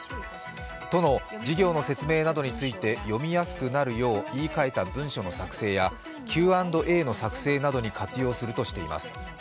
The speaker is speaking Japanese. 都の事業の説明などについて読みやすくなるよう言い換えた文書の作成やＱ＆Ａの作成などに活用するとしています。